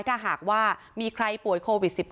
ถ้าหากว่ามีใครป่วยโควิด๑๙